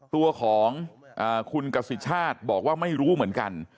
ตัวของคุณกสิชาติบอกว่าไม่รู้เหมือนกัน